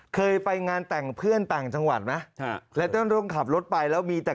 เคยไปงานแต่งเพื่อนต่างจังหวัดไหมแล้วเติ้ลต้องขับรถไปแล้วมีแต่